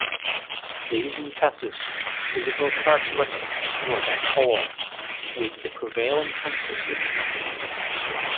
This emphasis on physical characteristics was at odds with the prevailing chemical systematics.